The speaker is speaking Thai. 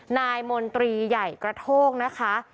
นายมนตรีใหญ่กระโทกนะคะ